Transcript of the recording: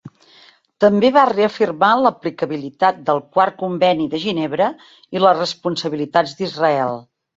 També va reafirmar l'aplicabilitat del Quart Conveni de Ginebra i les responsabilitats d'Israel.